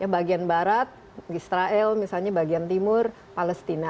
bagian barat israel misalnya bagian timur palestina